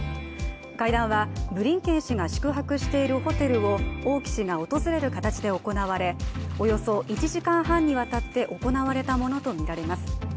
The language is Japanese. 会談はブリンケン氏が宿泊しているホテルを王毅氏が訪れる形で行われ、およそ１時間半にわたって行われたものとみられます。